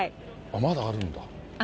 まだあるんだ。